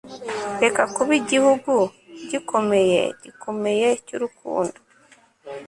Reka kuba igihugu gikomeye gikomeye cyurukundo